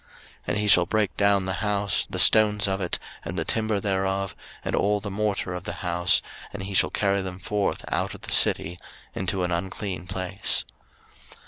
03:014:045 And he shall break down the house, the stones of it, and the timber thereof, and all the morter of the house; and he shall carry them forth out of the city into an unclean place.